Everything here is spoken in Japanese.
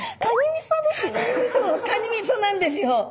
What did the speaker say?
みそなんですよ。